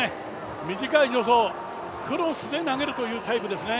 短い助走、クロスで投げるというタイプですね。